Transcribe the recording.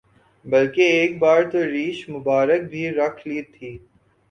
بلکہ ایک بار تو ریش مبارک بھی رکھ لی تھی